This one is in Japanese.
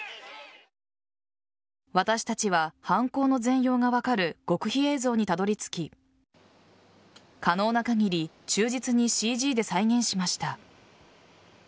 私たちは犯行の全容が分かる極秘映像にたどり着き可能な限り忠実にＣＧで再現しました。